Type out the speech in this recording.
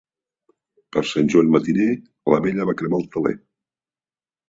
Per Sant Joan matiner la vella va cremar el teler.